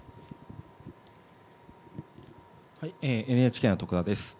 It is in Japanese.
ＮＨＫの徳田です。